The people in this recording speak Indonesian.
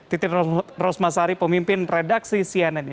titi rosmasari pemimpin redaksi cnn indonesia